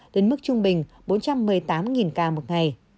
đến mức trung bình bốn trăm một mươi tám ca một ngày